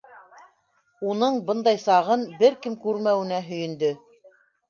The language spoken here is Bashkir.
Уның бындай сағын бер кем күрмәүенә һөйөндө.